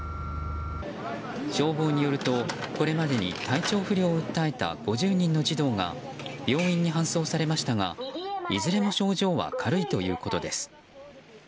消防によると、これまでに体調不良を訴えた５０人の児童が病院に搬送されましたがいずれも症状は軽いということです。